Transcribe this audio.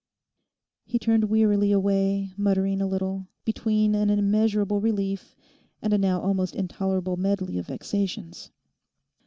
He turned wearily away muttering a little, between an immeasurable relief and a now almost intolerable medley of vexations.